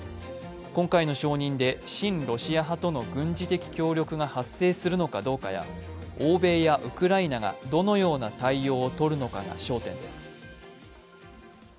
今回の承認で親ロシア派との軍事的協力が発生するのかどうかや欧米やウクライナがどのような対応をとるのかが焦点です。